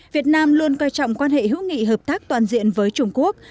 việt nam luôn coi trọng quan hệ hữu nghị hợp tác toàn diện với trung quốc